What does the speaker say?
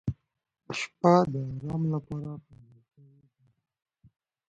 • شپه د آرام لپاره پیدا شوې ده.